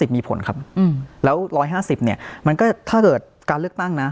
มีผลครับแล้ว๑๕๐เนี่ยมันก็ถ้าเกิดการเลือกตั้งนะ